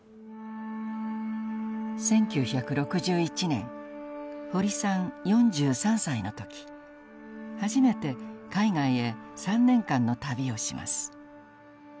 １９６１年堀さん４３歳の時初めて海外へ３年間の旅をします。